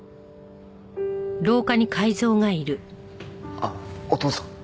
あっお義父さん。